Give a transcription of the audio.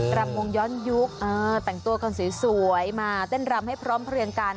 รำวงย้อนยุคแต่งตัวกันสวยมาเต้นรำให้พร้อมเพลียงกัน